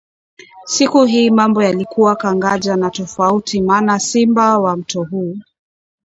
Siku hii mambo yalikuwa kangaja na tofauti maana simba wa mto huu,